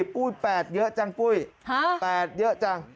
ปุ้ย๘เยอะจังปุ้ย๘เยอะจัง